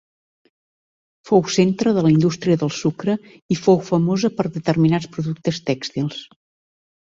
Fou centre de la indústria del sucre i fou famosa per determinats productes tèxtils.